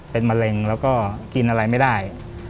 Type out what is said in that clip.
เป็นมะเร็งแล้วก็กินอะไรไม่ได้